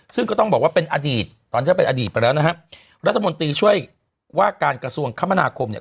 ซึ่งก็ต้องบอกว่าเป็นอดีตตอนนี้เป็นอดีตไปแล้วนะฮะรัฐมนตรีช่วยว่าการกระทรวงคมนาคมเนี่ย